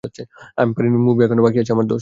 আমি পারিনি, মুভি এখনও বাকি আছে, আমার দোস।